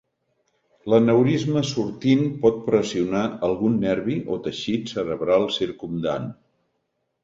L'aneurisma sortint pot pressionar algun nervi o teixit cerebral circumdant.